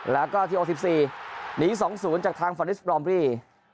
แล้วก็ที๖๔หนี๒๐จากทางฟอริสบรอมบรี